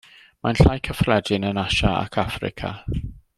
Mae'n llai cyffredin yn Asia ac Affrica.